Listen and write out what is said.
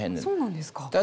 そうなんですか。